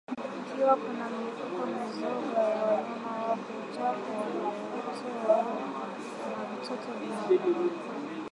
Ikiwa kuna mlipuko mizoga ya wanyama wafu uchafu wanaoutoa na vitoto vilivyokufa tumboni vinafaa